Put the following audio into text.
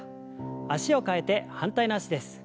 脚を替えて反対の脚です。